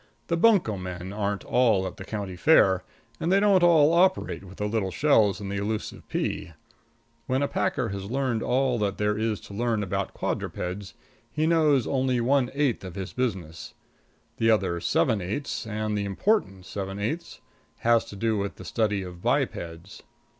The bunco men aren't all at the county fair, and they don't all operate with the little shells and the elusive pea. When a packer has learned all that there is to learn about quadrupeds, he knows only one eighth of his business; the other seven eighths, and the important seven eighths, has to do with the study of bipeds.